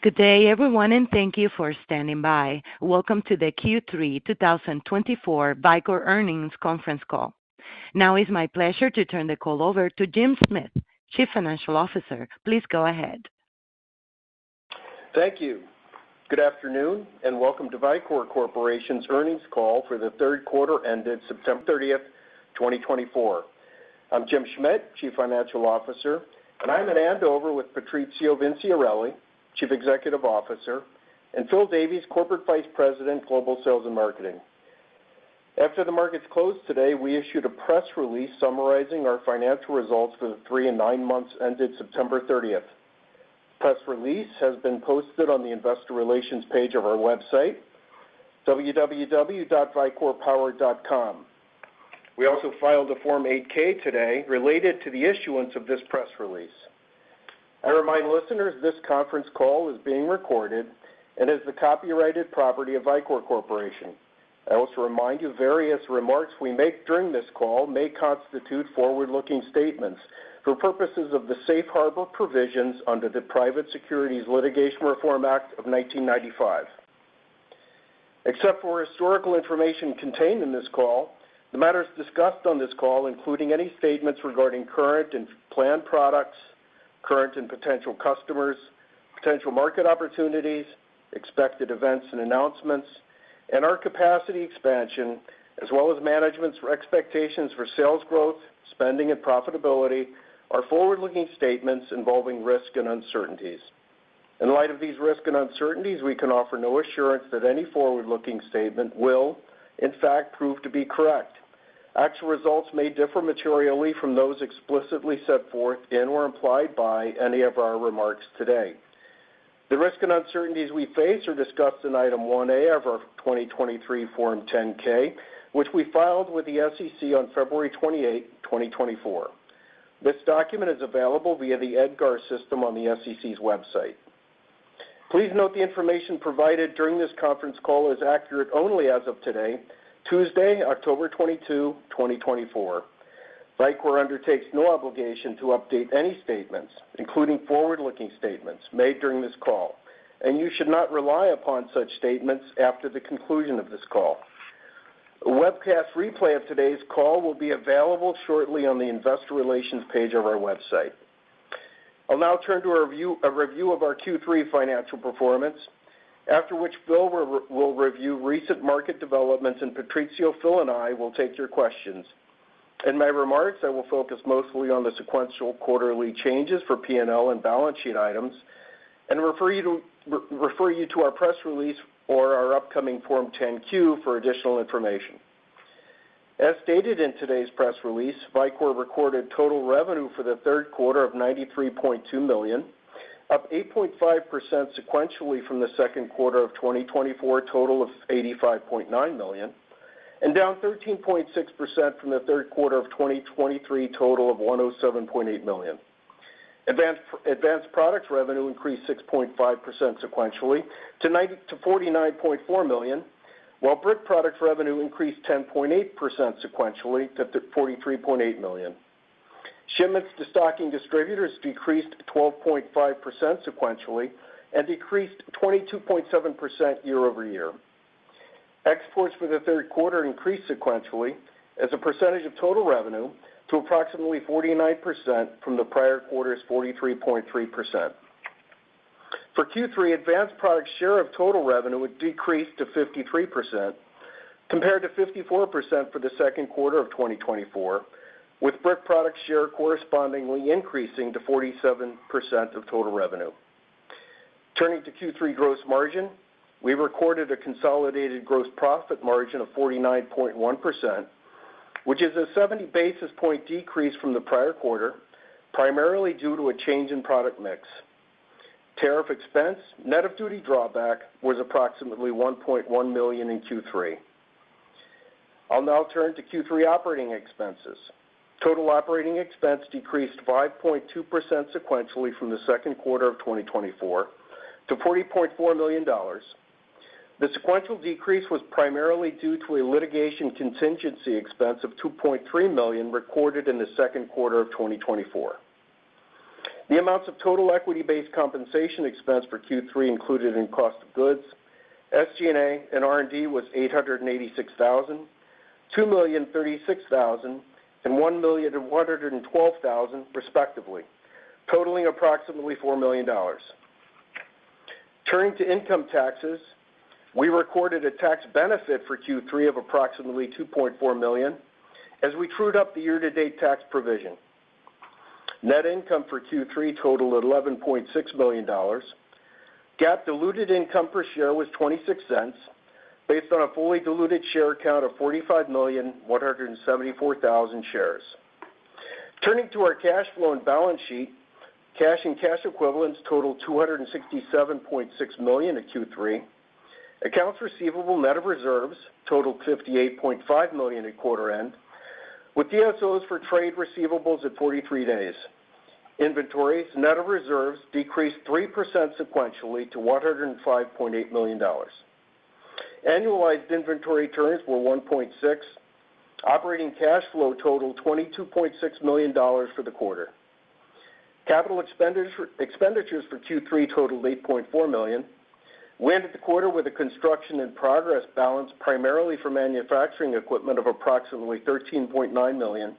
Good day, everyone, and thank you for standing by. Welcome to the Q3 2024 Vicor Earnings Conference Call. Now it's my pleasure to turn the call over to Jim Schmidt, Chief Financial Officer. Please go ahead. Thank you. Good afternoon, and welcome to Vicor Corporation's Earnings Call for the Third Quarter Ended September 30th, 2024. I'm Jim Schmidt, Chief Financial Officer, and I'm in Andover with Patrizio Vinciarelli, Chief Executive Officer, and Phil Davies, Corporate Vice President, Global Sales and Marketing. After the markets closed today, we issued a press release summarizing our financial results for the three and nine months ended September thirtieth. Press release has been posted on the investor relations page of our website, www.vicorpower.com. We also filed a Form 8-K today related to the issuance of this press release. I remind listeners, this conference call is being recorded and is the copyrighted property of Vicor Corporation. I also remind you, various remarks we make during this call may constitute forward-looking statements for purposes of the safe harbor provisions under the Private Securities Litigation Reform Act of 1995. Except for historical information contained in this call, the matters discussed on this call, including any statements regarding current and planned products, current and potential customers, potential market opportunities, expected events and announcements, and our capacity expansion, as well as management's expectations for sales growth, spending, and profitability, are forward-looking statements involving risk and uncertainties. In light of these risks and uncertainties, we can offer no assurance that any forward-looking statement will, in fact, prove to be correct. Actual results may differ materially from those explicitly set forth in or implied by any of our remarks today. The risks and uncertainties we face are discussed in Item 1A of our 2023 Form 10-K, which we filed with the SEC on February 28, 2024. This document is available via the EDGAR system on the SEC's website. Please note, the information provided during this conference call is accurate only as of today, Tuesday, October 22, 2024. Vicor undertakes no obligation to update any statements, including forward-looking statements made during this call, and you should not rely upon such statements after the conclusion of this call. A webcast replay of today's call will be available shortly on the investor relations page of our website. I'll now turn to a review of our Q3 financial performance, after which Phil will review recent market developments, and Patrizio, Phil, and I will take your questions. In my remarks, I will focus mostly on the sequential quarterly changes for P&L and balance sheet items and refer you to our press release or our upcoming Form 10-Q for additional information. As stated in today's press release, Vicor recorded total revenue for the third quarter of $93.2 million, up 8.5% sequentially from the second quarter of 2024, total of $85.9 million, and down 13.6% from the third quarter of 2023, total of $107.8 million. Advanced Products revenue increased 6.5% sequentially to $49.4 million, while Brick Products revenue increased 10.8% sequentially to $43.8 million. Shipments to stocking distributors decreased 12.5% sequentially and decreased 22.7% year-over-year. Exports for the third quarter increased sequentially as a percentage of total revenue to approximately 49% from the prior quarter's 43.3%. For Q3, Advanced Products share of total revenue decreased to 53%, compared to 54% for the second quarter of 2024, with Brick Products share correspondingly increasing to 47% of total revenue. Turning to Q3 gross margin, we recorded a consolidated gross profit margin of 49.1%, which is a 70 basis point decrease from the prior quarter, primarily due to a change in product mix. Tariff expense, net of duty drawback, was approximately $1.1 million in Q3. I'll now turn to Q3 operating expenses. Total operating expense decreased 5.2% sequentially from the second quarter of 2024 to $40.4 million. The sequential decrease was primarily due to a litigation contingency expense of $2.3 million recorded in the second quarter of 2024. The amounts of total equity-based compensation expense for Q3 included in cost of goods, SG&A and R&D was $886,000, $2,036,000, and $1,112,000, respectively, totaling approximately $4 million. Turning to income taxes, we recorded a tax benefit for Q3 of approximately $2.4 million as we trued up the year-to-date tax provision. Net income for Q3 totaled $11.6 million. GAAP diluted income per share was $0.26, based on a fully diluted share count of 45,174,000 shares. Turning to our cash flow and balance sheet, cash and cash equivalents totaled $267.6 million in Q3. Accounts receivable, net of reserves, totaled $58.5 million at quarter end, with DSOs for trade receivables at 43 days. Inventories, net of reserves, decreased 3% sequentially to $105.8 million. Annualized inventory turns were 1.6. Operating cash flow totaled $22.6 million for the quarter. Capital expenditures for Q3 totaled $8.4 million. We ended the quarter with a construction in progress balance, primarily for manufacturing equipment of approximately $13.9 million,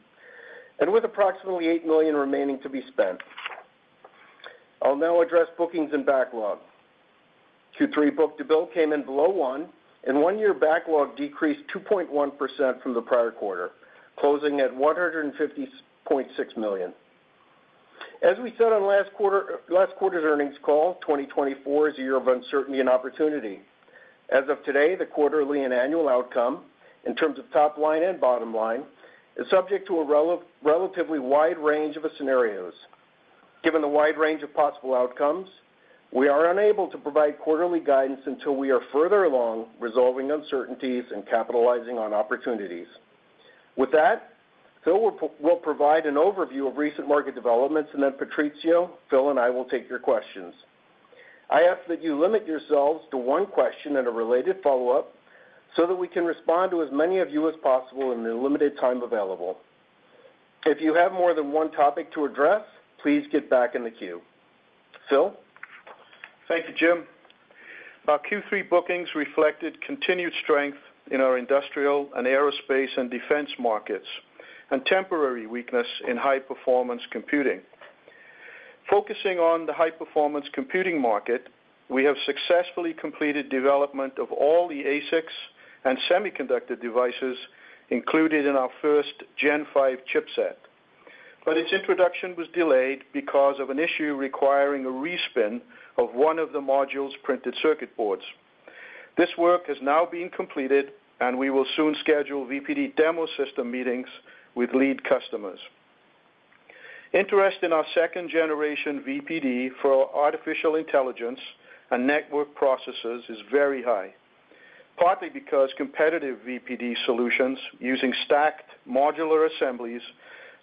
and with approximately $8 million remaining to be spent. I'll now address bookings and backlog. Q3 book-to-bill came in below one, and one-year backlog decreased 2.1% from the prior quarter, closing at $150.6 million. As we said on last quarter's earnings call, 2024 is a year of uncertainty and opportunity. As of today, the quarterly and annual outcome, in terms of top line and bottom line, is subject to a relatively wide range of scenarios. Given the wide range of possible outcomes, we are unable to provide quarterly guidance until we are further along, resolving uncertainties and capitalizing on opportunities. With that, Phil will provide an overview of recent market developments, and then Patrizio, Phil, and I will take your questions. I ask that you limit yourselves to one question and a related follow-up, so that we can respond to as many of you as possible in the limited time available. If you have more than one topic to address, please get back in the queue. Phil? Thank you, Jim. Our Q3 bookings reflected continued strength in our industrial and aerospace and defense markets, and temporary weakness in high-performance computing. Focusing on the high-performance computing market, we have successfully completed development of all the ASICs and semiconductor devices included in our first Gen 5 chipset, but its introduction was delayed because of an issue requiring a re-spin of one of the module's printed circuit boards. This work has now been completed, and we will soon schedule VPD demo system meetings with lead customers. Interest in our second-generation VPD for artificial intelligence and network processors is very high, partly because competitive VPD solutions using stacked modular assemblies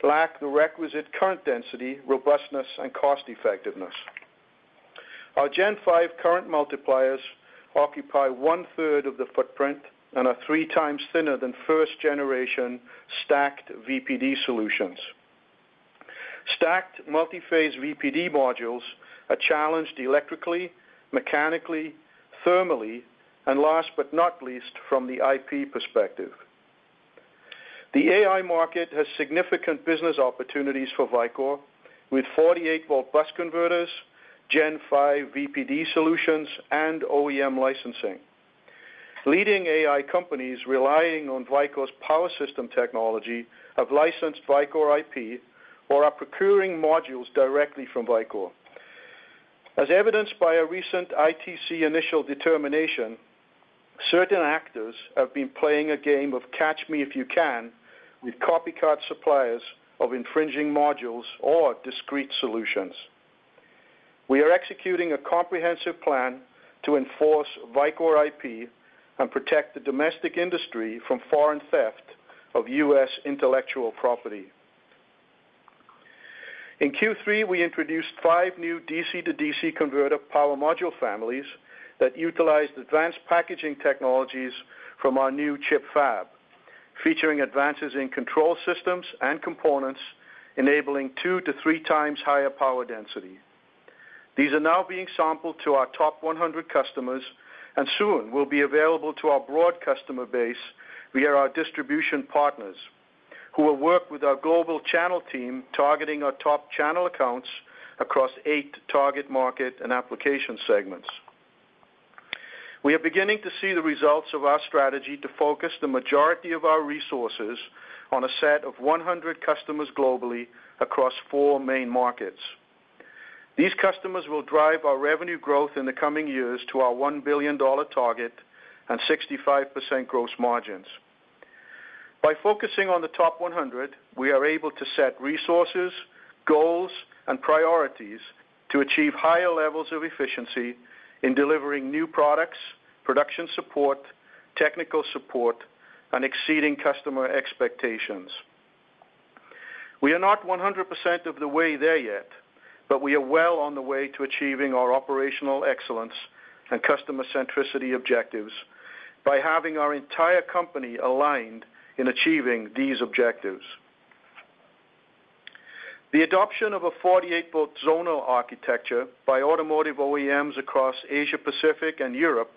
lack the requisite current density, robustness, and cost-effectiveness. Our Gen 5 current multipliers occupy one-third of the footprint and are three times thinner than first-generation stacked VPD solutions. Stacked multi-phase VPD modules are challenged electrically, mechanically, thermally, and last but not least, from the IP perspective. The AI market has significant business opportunities for Vicor, with forty-eight volt bus converters, Gen 5 VPD solutions, and OEM licensing. Leading AI companies relying on Vicor's power system technology have licensed Vicor IP or are procuring modules directly from Vicor. As evidenced by a recent ITC Initial Determination, certain actors have been playing a game of catch me if you can, with copycat suppliers of infringing modules or discrete solutions. We are executing a comprehensive plan to enforce Vicor IP and protect the domestic industry from foreign theft of U.S. intellectual property. In Q3, we introduced five new DC-DC converter power module families that utilized advanced packaging technologies from our new ChiP fab, featuring advances in control systems and components, enabling two to three times higher power density. These are now being sampled to our top one hundred customers and soon will be available to our broad customer base via our distribution partners, who will work with our global channel team, targeting our top channel accounts across eight target market and application segments. We are beginning to see the results of our strategy to focus the majority of our resources on a set of one hundred customers globally across four main markets. These customers will drive our revenue growth in the coming years to our $1 billion target and 65% gross margins. By focusing on the top one hundred, we are able to set resources, goals, and priorities to achieve higher levels of efficiency in delivering new products, production support, technical support, and exceeding customer expectations. We are not 100% of the way there yet, but we are well on the way to achieving our operational excellence and customer centricity objectives by having our entire company aligned in achieving these objectives. The adoption of a 48-volt zonal architecture by automotive OEMs across Asia Pacific and Europe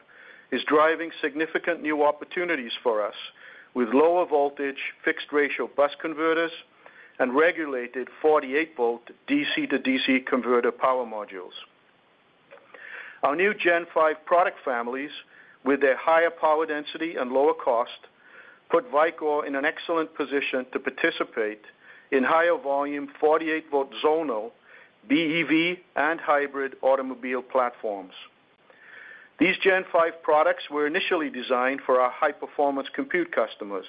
is driving significant new opportunities for us, with lower voltage, fixed ratio bus converters, and regulated 48-volt DC-DC converter power modules. Our new Gen 5 product families, with their higher power density and lower cost, put Vicor in an excellent position to participate in higher volume, 48-volt zonal, BEV, and hybrid automobile platforms. These Gen 5 products were initially designed for our high-performance compute customers,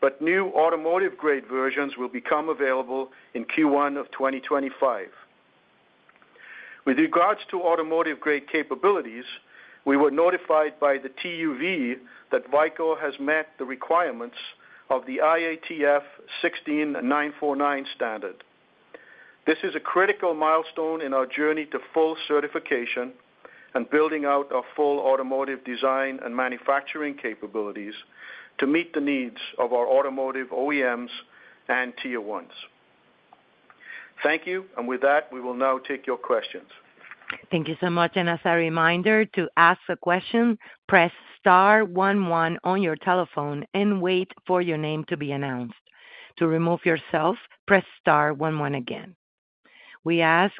but new automotive-grade versions will become available in Q1 of 2025. With regards to automotive-grade capabilities, we were notified by the TÜV that Vicor has met the requirements of the IATF 16949 standard. This is a critical milestone in our journey to full certification and building out our full automotive design and manufacturing capabilities to meet the needs of our automotive OEMs and Tier 1s. Thank you, and with that, we will now take your questions. Thank you so much. And as a reminder, to ask a question, press star one one on your telephone and wait for your name to be announced. To remove yourself, press star one one again. We ask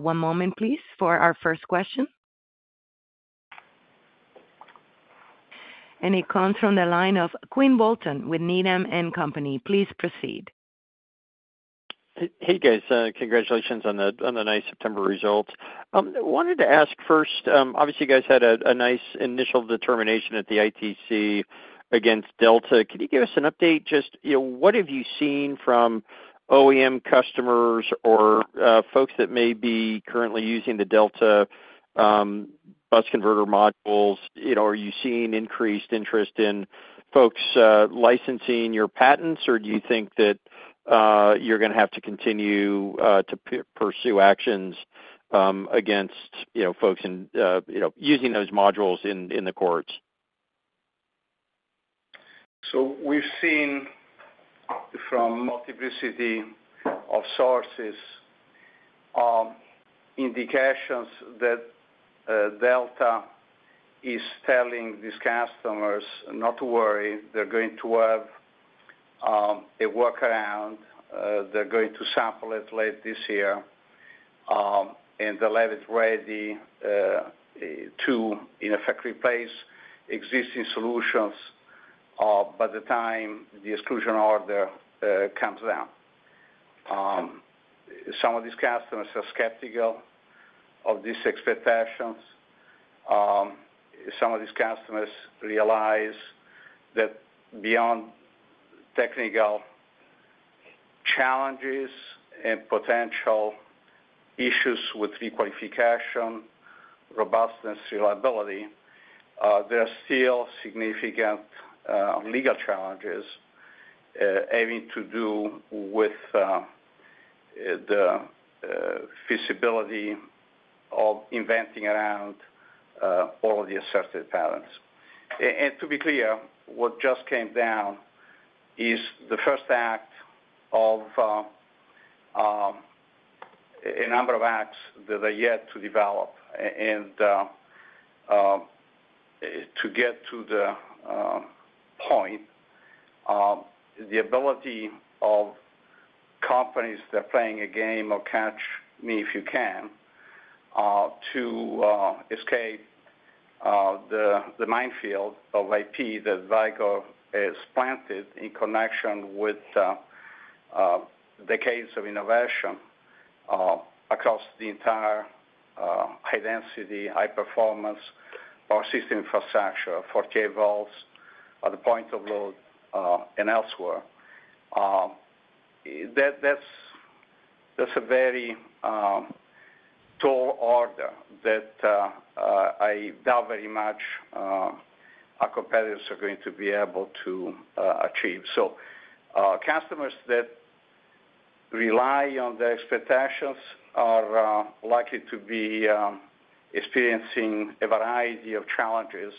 one moment, please, for our first question. And it comes from the line of Quinn Bolton with Needham & Company. Please proceed. Hey, guys, congratulations on the nice September results. Wanted to ask first, obviously, you guys had a nice initial determination at the ITC against Delta. Could you give us an update, just, you know, what have you seen from OEM customers or, folks that may be currently using the Delta bus converter modules? You know, are you seeing increased interest in folks licensing your patents, or do you think that, you're gonna have to continue to pursue actions against, you know, folks in, you know, using those modules in the courts? So we've seen from multiplicity of sources indications that Delta is telling these customers not to worry. They're going to have a workaround. They're going to sample it late this year, and they'll have it ready to, in effect, replace existing solutions by the time the exclusion order comes down. Some of these customers are skeptical of these expectations. Some of these customers realize that beyond technical challenges and potential issues with requalification, robustness, reliability there are still significant legal challenges having to do with the feasibility of inventing around all of the asserted patents. And to be clear, what just came down is the first act of a number of acts that are yet to develop. To get to the point, the ability of companies that are playing a game of catch me if you can to escape the minefield of IP that Vicor has planted in connection with decades of innovation across the entire high density, high performance, power system infrastructure for cables at the point of load and elsewhere. That's a very tall order that I doubt very much our competitors are going to be able to achieve. So, customers that rely on the expectations are likely to be experiencing a variety of challenges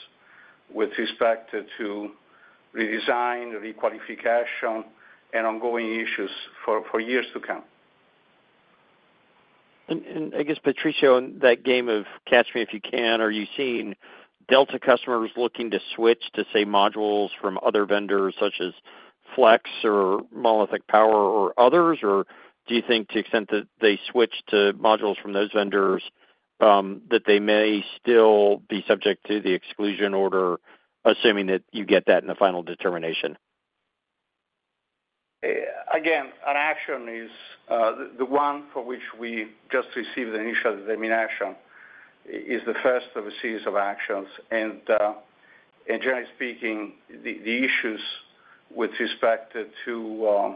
with respect to redesign, requalification, and ongoing issues for years to come. I guess, Patrizio, in that game of catch me if you can, are you seeing Delta customers looking to switch to, say, modules from other vendors such as Flex or Monolithic Power or others? Or do you think to the extent that they switch to modules from those vendors, that they may still be subject to the exclusion order, assuming that you get that in the final determination? Again, our action is the one for which we just received the initial action, is the first of a series of actions. And generally speaking, the issues with respect to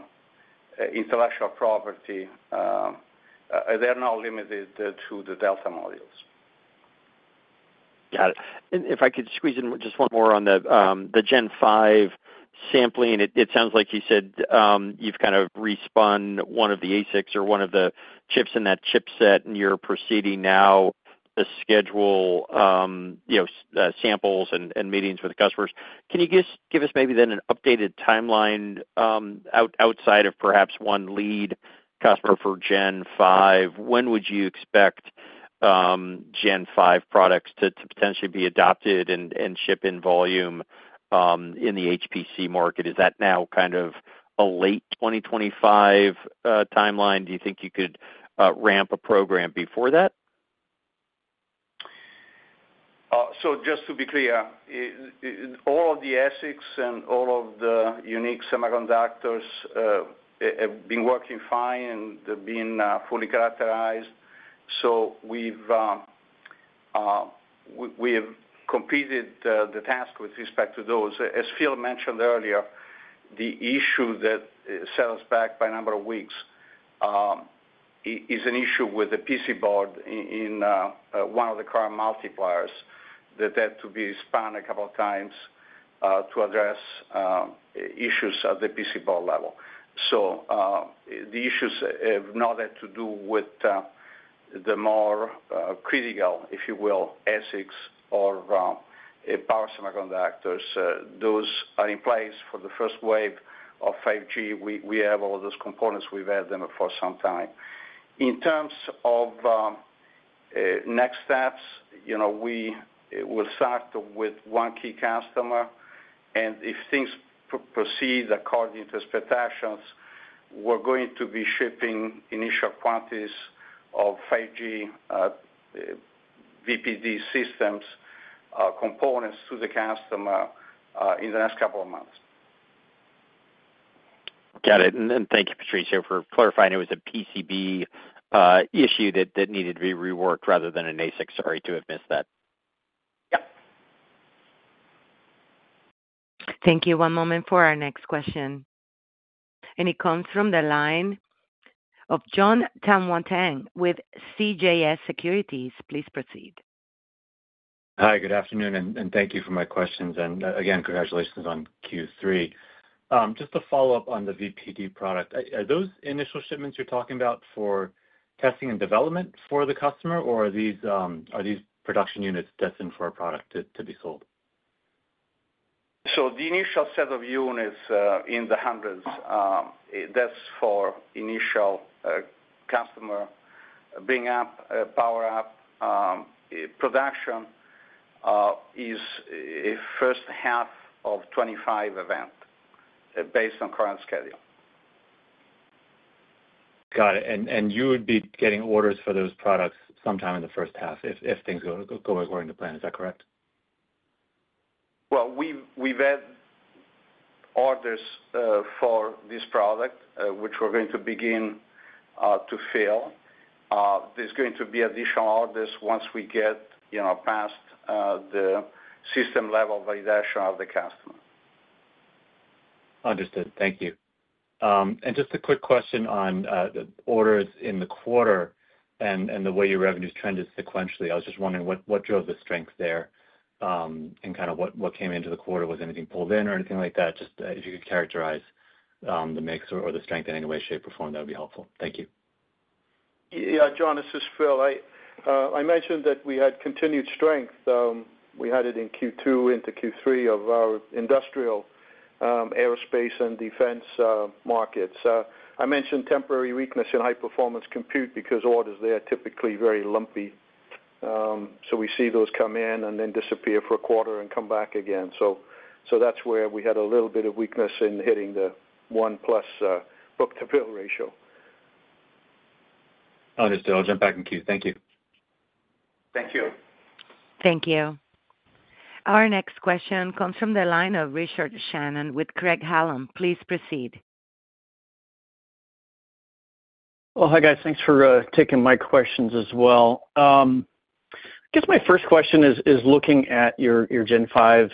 intellectual property, they're not limited to the Delta modules. Got it. And if I could squeeze in just one more on the Gen 5 sampling. It sounds like you said you've kind of re-spun one of the ASICs or one of the chips in that chipset, and you're proceeding now to schedule you know samples and meetings with the customers. Can you give us give us maybe then an updated timeline outside of perhaps one lead customer for Gen 5? When would you expect Gen 5 products to potentially be adopted and ship in volume in the HPC market? Is that now kind of a late 2025 timeline? Do you think you could ramp a program before that? So just to be clear, all of the ASICs and all of the unique semiconductors have been working fine, and they've been fully characterized. So we've completed the task with respect to those. As Phil mentioned earlier, the issue that sets us back by a number of weeks is an issue with the PC board in one of the current multipliers that had to be spun a couple of times to address issues at the PCB level. So the issues have nothing to do with the more critical, if you will, ASICs or power semiconductors. Those are in place for the first wave of Gen 5. We have all those components, we've had them for some time. In terms of next steps, you know, we will start with one key customer, and if things proceed according to expectations, we're going to be shipping initial quantities of Gen 5 VPD systems components to the customer in the next couple of months. Got it. And thank you, Patrizio, for clarifying it was a PCB issue that needed to be reworked rather than an ASIC. Sorry to have missed that. Yep. Thank you. One moment for our next question, and it comes from the line of Jon Tanwanteng with CJS Securities. Please proceed. Hi, good afternoon, and thank you for my questions. Again, congratulations on Q3. Just to follow up on the VPD product, are those initial shipments you're talking about for testing and development for the customer, or are these production units destined for a product to be sold? The initial set of units in the hundreds, that's for initial customer bring up, power up production, is a first half of 2025 event, based on current schedule. Got it. And you would be getting orders for those products sometime in the first half if things go according to plan, is that correct? We've had orders for this product which we're going to begin to fill. There's going to be additional orders once we get, you know, past the system-level validation of the customer. Understood. Thank you, and just a quick question on the orders in the quarter and the way your revenues trended sequentially. I was just wondering what drove the strength there, and kind of what came into the quarter? Was anything pulled in or anything like that? Just if you could characterize the mix or the strength in any way, shape, or form, that would be helpful. Thank you. Yeah, John, this is Phil. I mentioned that we had continued strength. We had it in Q2 into Q3 of our industrial, aerospace and defense markets. I mentioned temporary weakness in high-performance compute because orders there are typically very lumpy. So we see those come in and then disappear for a quarter and come back again. So that's where we had a little bit of weakness in hitting the one-plus book-to-bill ratio. Understood. I'll jump back in queue. Thank you. Thank you. Thank you. Our next question comes from the line of Richard Shannon with Craig-Hallum. Please proceed. Hi, guys. Thanks for taking my questions as well. I guess my first question is looking at your Gen 5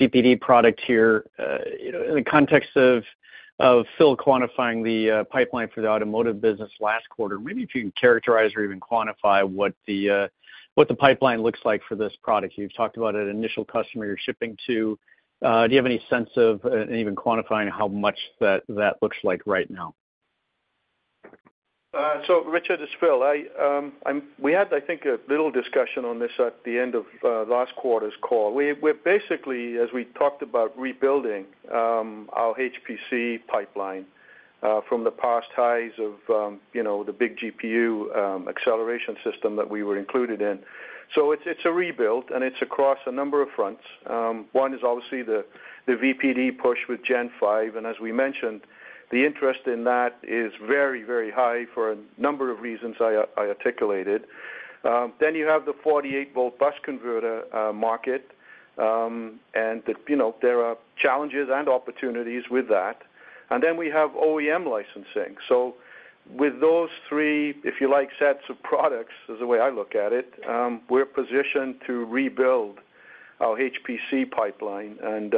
VPD product here, you know, in the context of Phil quantifying the pipeline for the automotive business last quarter, maybe if you can characterize or even quantify what the pipeline looks like for this product. You've talked about an initial customer you're shipping to. Do you have any sense of and even quantifying how much that looks like right now? So, Richard, it's Phil. I think we had a little discussion on this at the end of last quarter's call. We're basically, as we talked about, rebuilding our HPC pipeline from the past highs of you know, the big GPU acceleration system that we were included in. So it's a rebuild, and it's across a number of fronts. One is obviously the VPD push with Gen 5, and as we mentioned, the interest in that is very, very high for a number of reasons I articulated. Then you have the 48-volt bus converter market, and that, you know, there are challenges and opportunities with that. And then we have OEM licensing. So with those three, if you like, sets of products, is the way I look at it, we're positioned to rebuild our HPC pipeline and,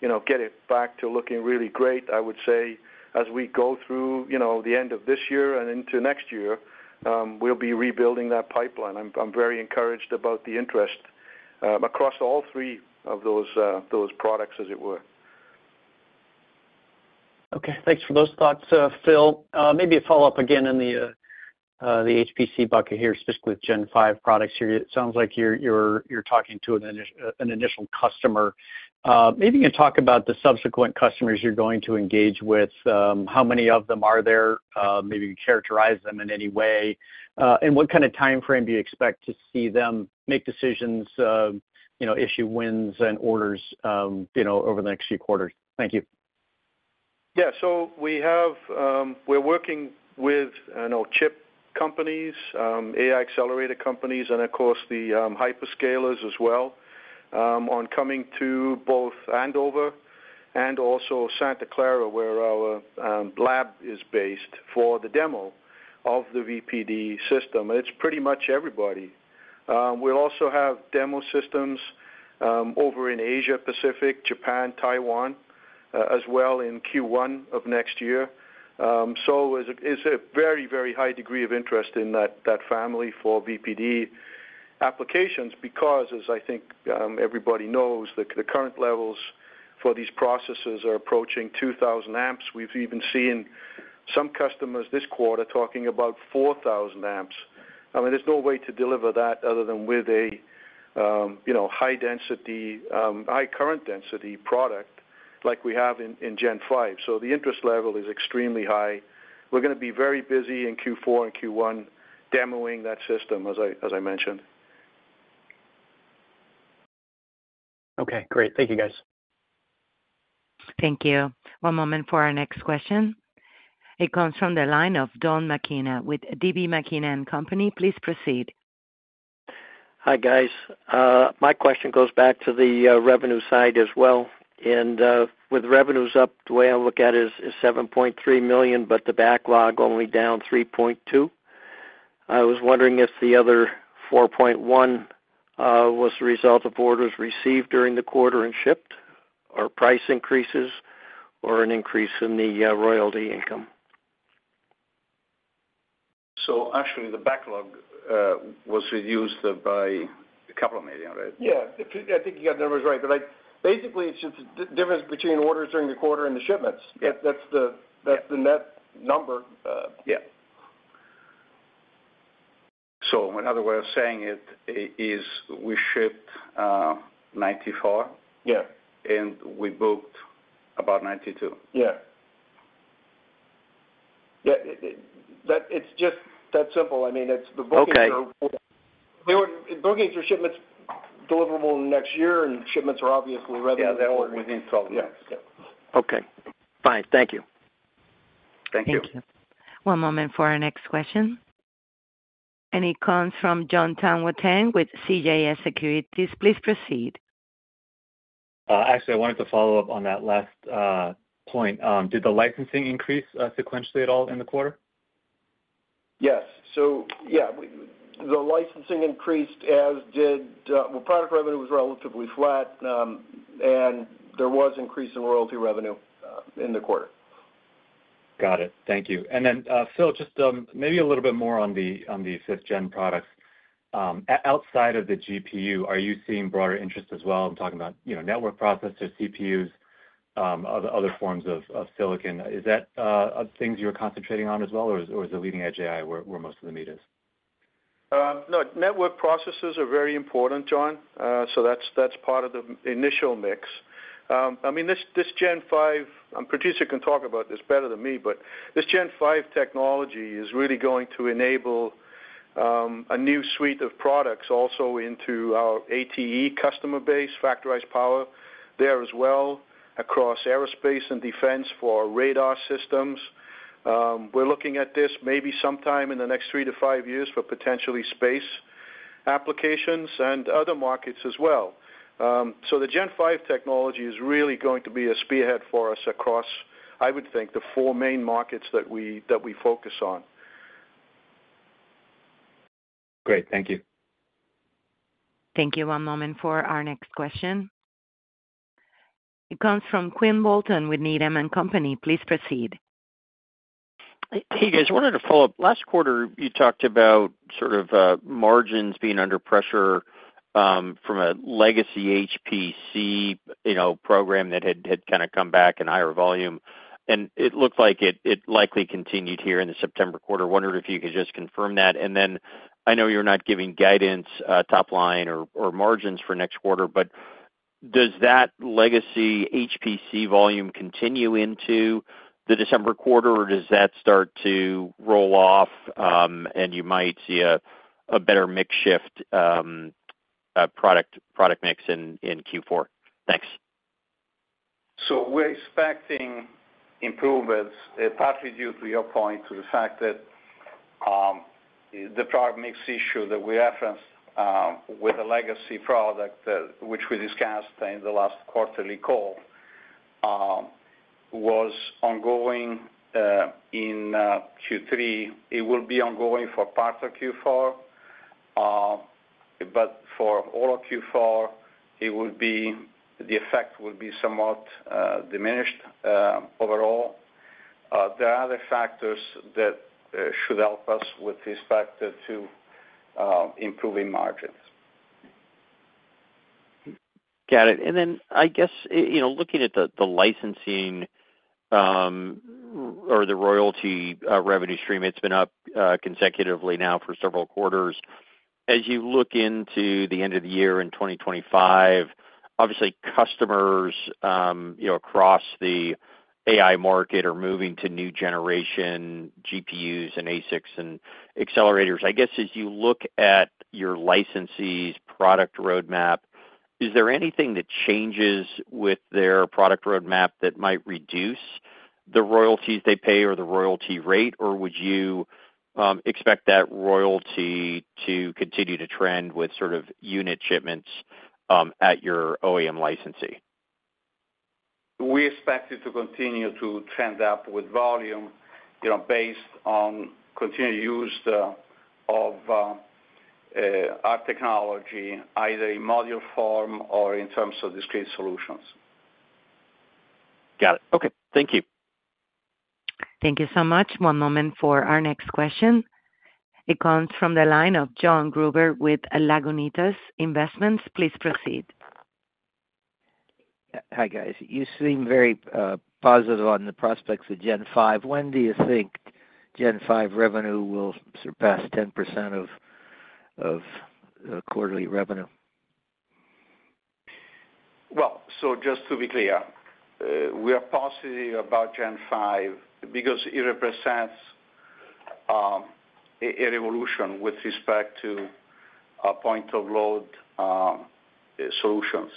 you know, get it back to looking really great. I would say, as we go through, you know, the end of this year and into next year, we'll be rebuilding that pipeline. I'm very encouraged about the interest across all three of those products, as it were. Okay. Thanks for those thoughts, Phil. Maybe a follow-up again in the HPC bucket here, specifically with Gen 5 products here. It sounds like you're talking to an initial customer. Maybe you can talk about the subsequent customers you're going to engage with, how many of them are there? Maybe you characterize them in any way. And what kind of timeframe do you expect to see them make decisions, you know, issue wins and orders, you know, over the next few quarters? Thank you. Yeah. So we have. We're working with, I know, chip companies, AI accelerator companies, and of course, the hyperscalers as well, on coming to both Andover and also Santa Clara, where our lab is based for the demo of the VPD system. It's pretty much everybody. We'll also have demo systems over in Asia Pacific, Japan, Taiwan, as well in Q1 of next year, so it's a very, very high degree of interest in that family for VPD applications, because as I think everybody knows, the current levels for these processes are approaching two thousand amps. We've even seen some customers this quarter talking about four thousand amps. I mean, there's no way to deliver that other than with a you know high density, high current density product like we have in Gen 5. The interest level is extremely high. We're gonna be very busy in Q4 and Q1 demoing that system, as I, as I mentioned. Okay, great. Thank you, guys. Thank you. One moment for our next question. It comes from the line of Don McKenna with DB McKenna & Company. Please proceed. Hi, guys. My question goes back to the revenue side as well, and with revenues up, the way I look at it is $7.3 million, but the backlog only down $3.2 million. I was wondering if the other $4.1 million was the result of orders received during the quarter and shipped, or price increases or an increase in the royalty income? So actually, the backlog was reduced by a couple of million, right? Yeah, I think you got the numbers right. But basically, it's just the difference between orders during the quarter and the shipments. Yeah. That's the net number. Yeah. So another way of saying it is we shipped 94? Yeah. We booked about 92. Yeah. Yeah, it's just that simple. I mean, it's the bookings are- Okay. They were. Bookings are shipments deliverable next year, and shipments are obviously revenue. Yeah, within 12 months. Yeah. Yeah. Okay. Fine. Thank you. Thank you. Thank you. One moment for our next question, and it comes from Jon Tanwanteng with CJS Securities. Please proceed. Actually, I wanted to follow up on that last point. Did the licensing increase sequentially at all in the quarter? Yes. So yeah, the licensing increased, as did, well, product revenue was relatively flat, and there was increase in royalty revenue, in the quarter. Got it. Thank you. And then, Phil, just maybe a little bit more on the fifth gen products. Outside of the GPU, are you seeing broader interest as well? I'm talking about, you know, network processors, CPUs, other forms of silicon. Is that things you're concentrating on as well, or is the leading edge AI where most of the meat is? Look, network processors are very important, John. So that's part of the initial mix. I mean, this Gen 5, and Patrizio can talk about this better than me, but this Gen 5 technology is really going to enable a new suite of products also into our ATE customer base, Factorized Power there as well, across aerospace and defense for our radar systems. We're looking at this maybe sometime in the next three to five years for potentially space applications and other markets as well. So the Gen 5 technology is really going to be a spearhead for us across, I would think, the four main markets that we focus on. Great. Thank you. Thank you. One moment for our next question. It comes from Quinn Bolton with Needham & Company. Please proceed. Hey, guys, I wanted to follow up. Last quarter, you talked about sort of margins being under pressure from a legacy HPC, you know, program that had kind of come back in higher volume, and it looked like it likely continued here in the September quarter. I wondered if you could just confirm that. And then I know you're not giving guidance top line or margins for next quarter, but does that legacy HPC volume continue into the December quarter, or does that start to roll off, and you might see a better mix shift product mix in Q4? Thanks. So we're expecting improvements, partly due to your point, to the fact that the product mix issue that we referenced with the legacy product, which we discussed in the last quarterly call, was ongoing in Q3. It will be ongoing for parts of Q4, but for all of Q4, the effect will be somewhat diminished. Overall, there are other factors that should help us with respect to improving margins. Got it. And then, I guess, you know, looking at the licensing, or the royalty, revenue stream, it's been up consecutively now for several quarters. As you look into the end of the year in twenty twenty-five, obviously customers, you know, across the AI market are moving to new generation GPUs and ASICs and accelerators. I guess, as you look at your licensees' product roadmap, is there anything that changes with their product roadmap that might reduce the royalties they pay or the royalty rate? Or would you expect that royalty to continue to trend with sort of unit shipments at your OEM licensee? We expect it to continue to trend up with volume, you know, based on continued use of our technology, either in module form or in terms of discrete solutions. Got it. Okay. Thank you. Thank you so much. One moment for our next question. It comes from the line of Jon Gruber with Lagunitas Investments. Please proceed. Hi, guys. You seem very positive on the prospects of Gen 5. When do you think Gen 5 revenue will surpass 10% of quarterly revenue? Just to be clear, we are positive about Gen 5 because it represents a revolution with respect to our point of load solutions.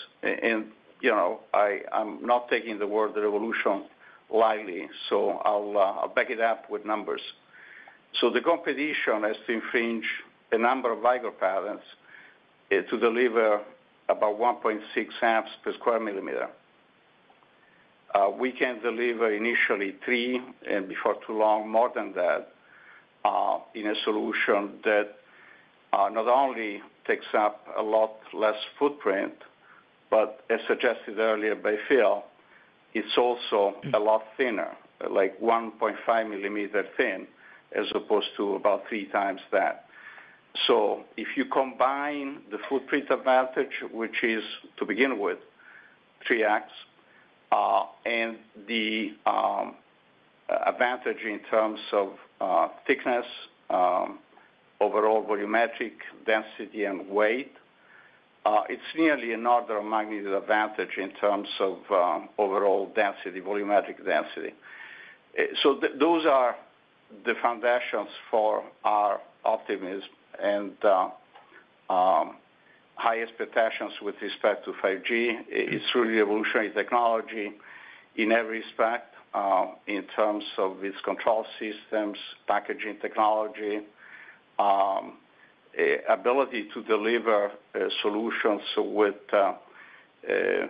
You know, I'm not taking the word revolution lightly, so I'll back it up with numbers. The competition has infringed a number of Vicor patents to deliver about one point six amps per square millimeter. We can deliver initially three, and before too long, more than that, in a solution that not only takes up a lot less footprint, but as suggested earlier by Phil, it's also a lot thinner, like one point five millimeter thin, as opposed to about three times that. So if you combine the footprint advantage, which is, to begin with, 3X, and the advantage in terms of thickness, overall volumetric density and weight, it's nearly an order of magnitude advantage in terms of overall density, volumetric density. Those are the foundations for our optimism and highest expectations with respect to Gen 5. It's really revolutionary technology in every respect, in terms of its control systems, packaging technology, ability to deliver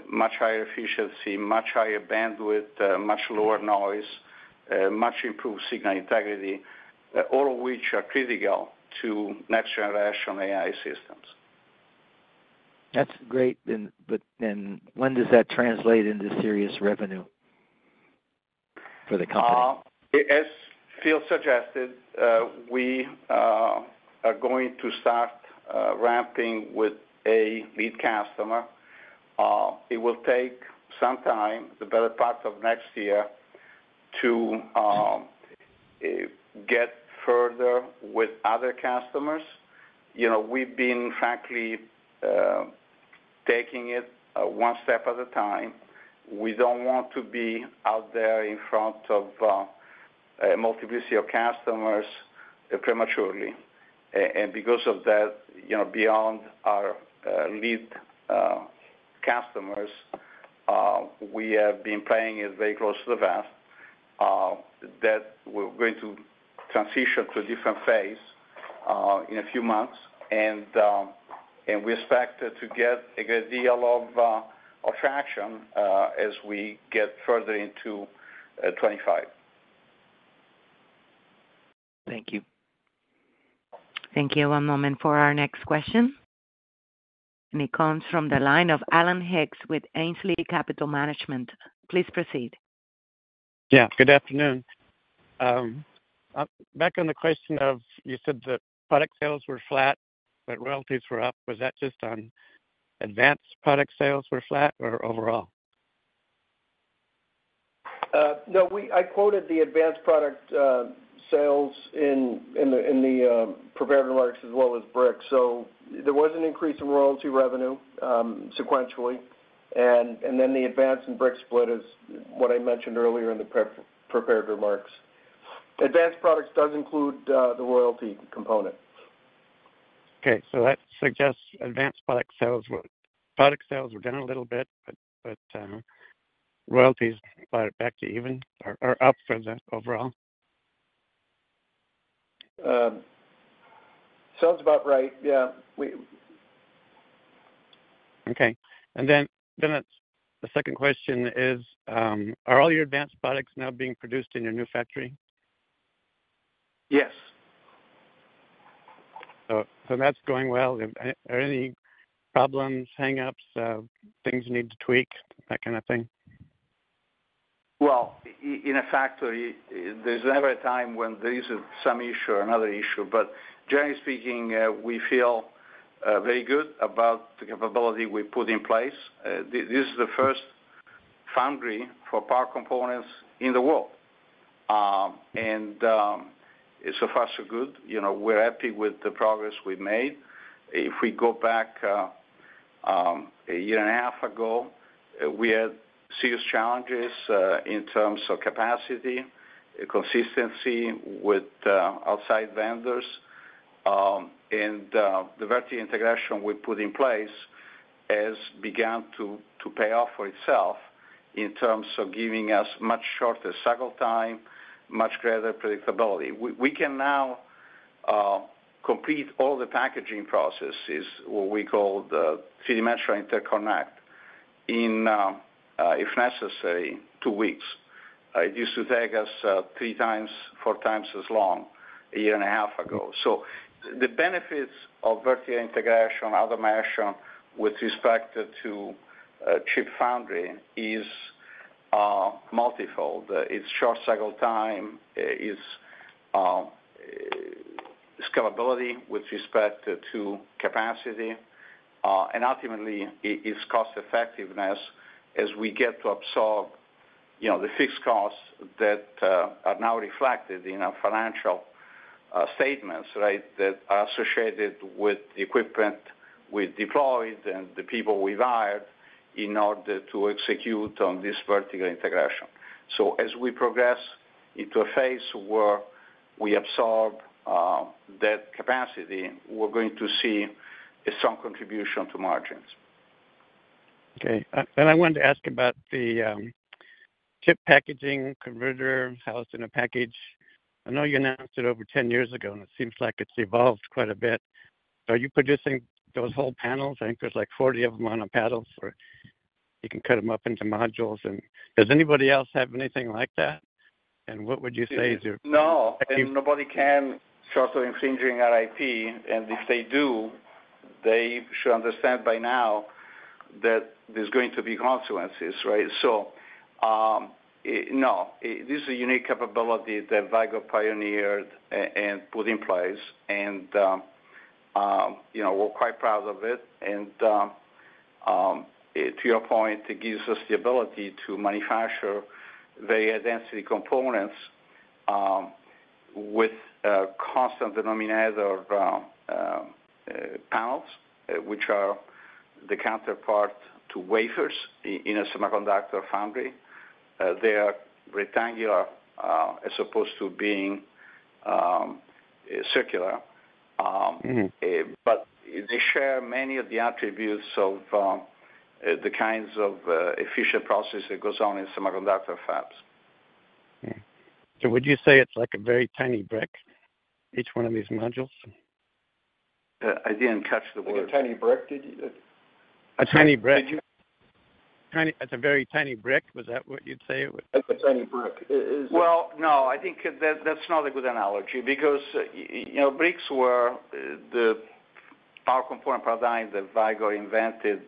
much higher efficiency, much higher bandwidth, much lower noise, much improved signal integrity, all of which are critical to next generation AI systems. That's great. But then, when does that translate into serious revenue for the company? As Phil suggested, we are going to start ramping with a lead customer. It will take some time, the better part of next year, to get further with other customers. You know, we've been frankly taking it one step at a time. We don't want to be out there in front of a multiplicity of customers prematurely. And because of that, you know, beyond our lead customers, we have been playing it very close to the vest that we're going to transition to a different phase in a few months, and we expect to get a good deal of attraction as we get further into 2025. Thank you. Thank you. One moment for our next question. And it comes from the line of Alan Hicks with Ainslie Capital Management. Please proceed. Yeah, good afternoon. Back on the question of, you said the product sales were flat, but royalties were up. Was that just on advanced product sales were flat or overall? No. I quoted the Advanced Products sales in the prepared remarks as well as Brick. So there was an increase in royalty revenue sequentially, and then the Advanced and Brick split is what I mentioned earlier in the prepared remarks. Advanced Products does include the royalty component. Okay. So that suggests Advanced Products sales were down a little bit, but royalties brought it back to even or up for the overall? Sounds about right. Yeah, we- Okay. And then, the second question is, are all your advanced products now being produced in your new factory? Yes. So that's going well. Are there any problems, hang-ups, things you need to tweak, that kind of thing? In a factory, there's never a time when there isn't some issue or another issue. But generally speaking, we feel very good about the capability we put in place. This is the first foundry for power components in the world. So far so good. You know, we're happy with the progress we've made. If we go back a year and a half ago, we had serious challenges in terms of capacity, consistency with outside vendors, and the vertical integration we put in place has begun to pay off for itself in terms of giving us much shorter cycle time, much greater predictability. We can now complete all the packaging processes, what we call the SM-ChiP interconnect in, if necessary, two weeks. It used to take us three times, four times as long, a year and a half ago. So the benefits of vertical integration, other measure with respect to chip foundry is multifold. It's short cycle time, scalability with respect to capacity, and ultimately, it's cost effectiveness as we get to absorb, you know, the fixed costs that are now reflected in our financial statements, right? That are associated with the equipment we deployed and the people we've hired in order to execute on this vertical integration. So as we progress into a phase where we absorb that capacity, we're going to see some contribution to margins. Okay. And I wanted to ask about the ChiP packaging, Converter housed in Package. I know you announced it over 10 years ago, and it seems like it's evolved quite a bit. Are you producing those whole panels? I think there's like 40 of them on a panel, or you can cut them up into modules. And does anybody else have anything like that? And what would you say is your- No, and nobody can short of infringing our IP, and if they do, they should understand by now that there's going to be consequences, right? So, no, this is a unique capability that Vicor pioneered and put in place, and, you know, we're quite proud of it. And, to your point, it gives us the ability to manufacture high-density components, with a constant denominator of panels, which are the counterpart to wafers in a semiconductor foundry. They are rectangular, as opposed to being circular. Mm-hmm. But they share many of the attributes of the kinds of efficient process that goes on in semiconductor fabs. Okay, so would you say it's like a very tiny brick, each one of these modules? I didn't catch the word. A tiny brick, did you? A tiny brick. It's a very tiny brick. Was that what you'd say it was? Like a tiny brick. No, I think that's not a good analogy. Because you know, bricks were the power component paradigm that Vicor invented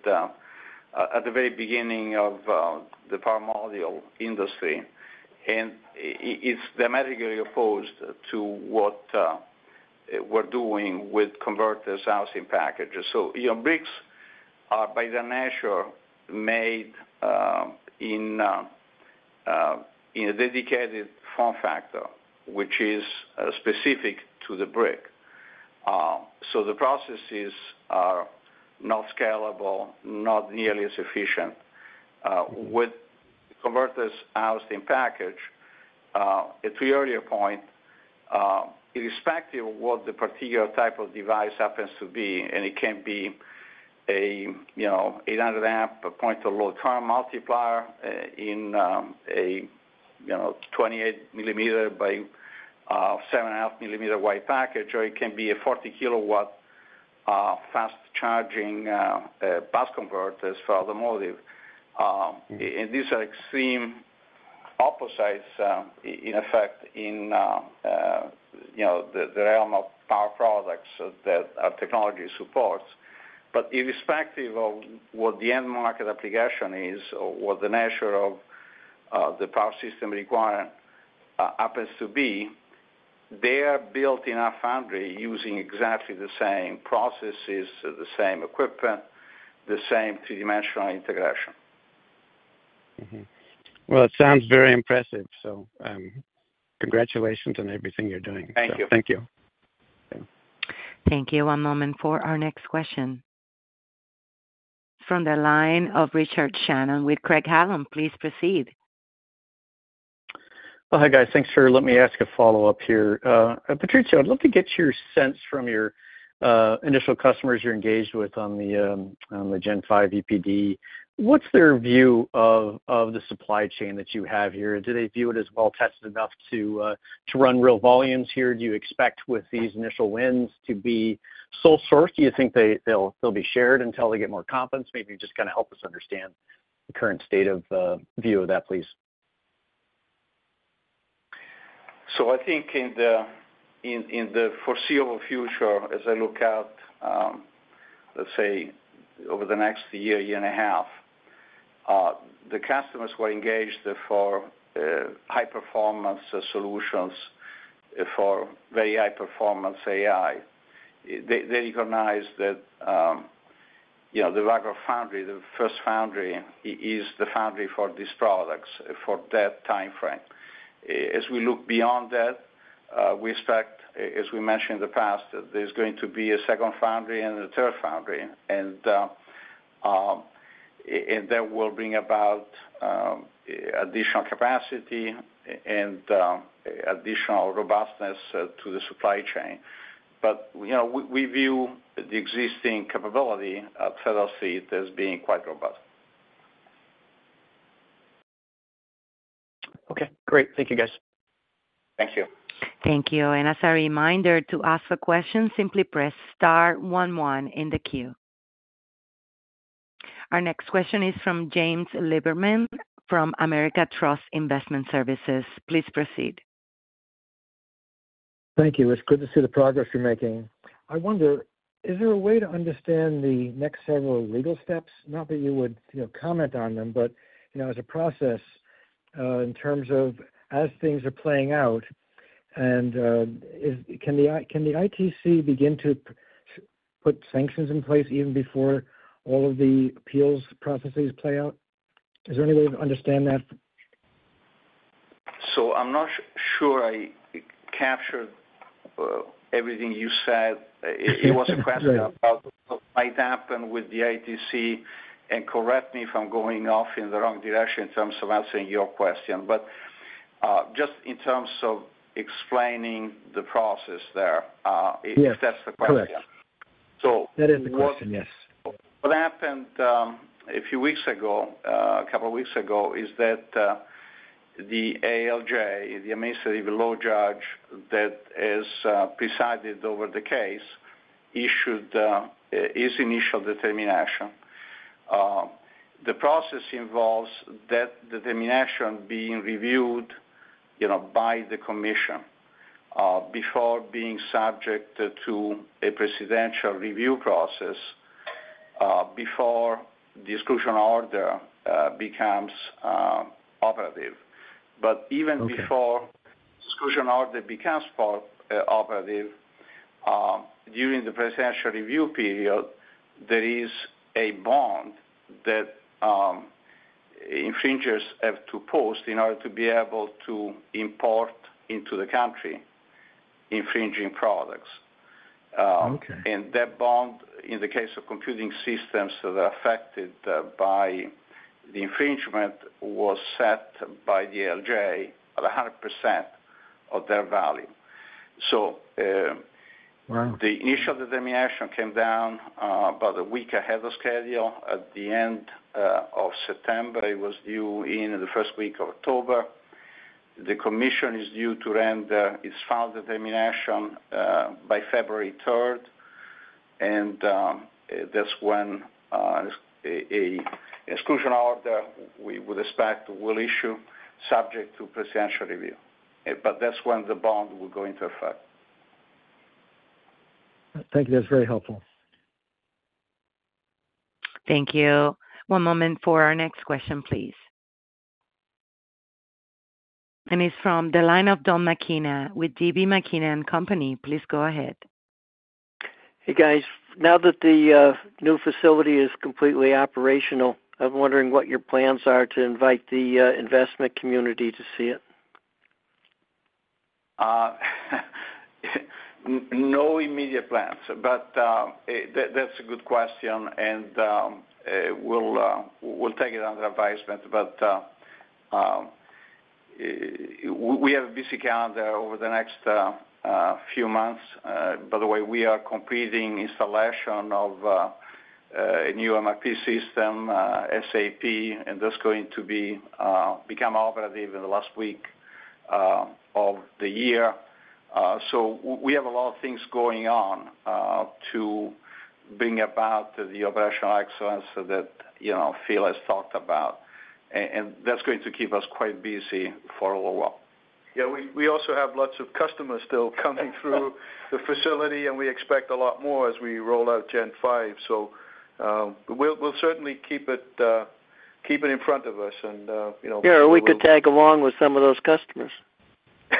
at the very beginning of the power module industry. And it's dramatically opposed to what we're doing with converters housed in packages. So, you know, bricks are, by their nature, made in a dedicated form factor, which is specific to the brick. So the processes are not scalable, not nearly as efficient. With Converters Housed in Package, to your earlier point, irrespective of what the particular type of device happens to be, and it can be a, you know, 800-amp point-of-load current multiplier in a 28-millimeter by 7.5-millimeter-wide package, or it can be a 40-kilowatt fast-charging bus converters for automotive. These are extreme opposites in effect, in you know the realm of power products that our technology supports. Irrespective of what the end market application is or what the nature of the power system requirement happens to be, they are built in our foundry using exactly the same processes, the same equipment, the same three-dimensional integration. Mm-hmm. It sounds very impressive. Congratulations on everything you're doing. Thank you. Thank you. Thank you. One moment for our next question. From the line of Richard Shannon with Craig-Hallum, please proceed. Oh, hi, guys. Thanks for letting me ask a follow-up here. Patrizio, I'd love to get your sense from your initial customers you're engaged with on the Gen 5 VPD. What's their view of the supply chain that you have here? Do they view it as well tested enough to run real volumes here? Do you expect with these initial wins to be sole source? Do you think they'll be shared until they get more confidence? Maybe you just kind of help us understand the current state of view of that, please. I think in the foreseeable future, as I look out, let's say over the next year, year and a half, the customers were engaged for high-performance solutions for very high-performance AI. They recognize that, you know, the Vicor foundry, the first foundry, is the foundry for these products, for that timeframe. As we look beyond that, we expect, as we mentioned in the past, that there's going to be a second foundry and a third foundry, and that will bring about additional capacity and additional robustness to the supply chain, but you know, we view the existing capability at Federal Street as being quite robust. Okay, great. Thank you, guys. Thank you. Thank you. And as a reminder, to ask a question, simply press star one, one in the queue. Our next question is from James Lieberman from American Trust Investment Services. Please proceed. Thank you. It's good to see the progress you're making. I wonder, is there a way to understand the next several legal steps? Not that you would, you know, comment on them, but, you know, as a process, in terms of as things are playing out, and, can the ITC begin to put sanctions in place even before all of the appeals processes play out? Is there any way to understand that? So I'm not sure I captured everything you said. Sure. It was a question about what might happen with the ITC, and correct me if I'm going off in the wrong direction in terms of answering your question. But, just in terms of explaining the process there, Yes. If that's the question. Correct. So- That is the question, yes. What happened, a few weeks ago, a couple of weeks ago, is that, the ALJ, the Administrative Law Judge, that has presided over the case, issued his initial determination. The process involves that determination being reviewed, you know, by the commission, before being subject to a presidential review process, before the exclusion order becomes operative. Okay. But even before Exclusion Order becomes operative, during the presidential review period, there is a bond that infringers have to post in order to be able to import into the country infringing products. Okay. And that bond, in the case of computing systems that are affected by the infringement, was set by the ALJ at 100% of their value. So, Right. The initial determination came down about a week ahead of schedule at the end of September. It was due in the first week of October. The commission is due to render its final determination by February 3rd, and that's when an exclusion order, we would expect, will issue subject to presidential review, but that's when the bond will go into effect. Thank you. That's very helpful. Thank you. One moment for our next question, please, and it's from the line of Don McKenna with DB McKenna & Company. Please go ahead. Hey, guys. Now that the new facility is completely operational, I'm wondering what your plans are to invite the investment community to see it? No immediate plans, but that's a good question, and we'll take it under advisement. But we have a busy calendar over the next few months. By the way, we are completing installation of a new MRP system, SAP, and that's going to become operative in the last week of the year. So we have a lot of things going on to bring about the operational excellence that, you know, Phil has talked about, and that's going to keep us quite busy for a little while. Yeah, we also have lots of customers still coming through the facility, and we expect a lot more as we roll out Gen 5. So, we'll certainly keep it in front of us and, you know- Yeah, we could tag along with some of those customers.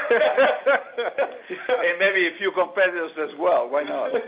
And maybe a few competitors as well. Why not?